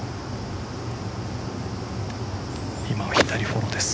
今、左フォローです。